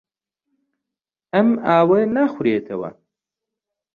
ئەم ئاوە ناخورێتەوە.